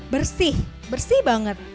bersih bersih banget